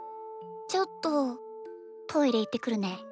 ちょっとトイレいってくるね。